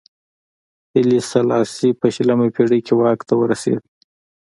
هیلي سلاسي په شلمه پېړۍ کې واک ته ورسېد.